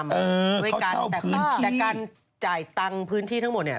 เขาเช่าพื้นที่แต่การจ่ายตังค์พื้นที่ทั้งหมดเนี่ย